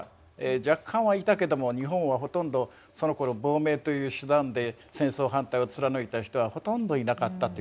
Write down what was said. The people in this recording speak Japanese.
若干はいたけども日本はほとんどそのころ亡命という手段で戦争反対を貫いた人はほとんどいなかったってことですね。